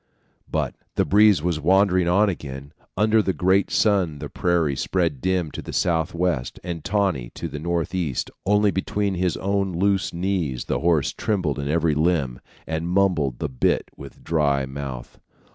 But the breeze was wandering on again; under the great sun the prairie spread dim to the southwest, and tawny to the northeast; only between his own loose knees the horse trembled in every limb, and mumbled the bit with dry mouth.